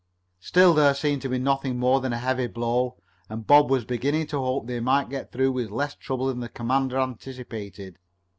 Still there seemed to be nothing more than a heavy blow, and Bob was beginning to hope they might get through with less trouble than the commander anticipated.